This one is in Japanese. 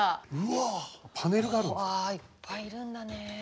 うわいっぱいいるんだね。